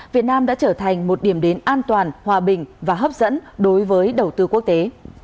việt nam đã trở thành một điểm đến an toàn hòa bình và hấp dẫn đối với đầu tư quốc tế